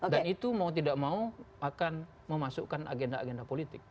dan itu mau tidak mau akan memasukkan agenda agenda politik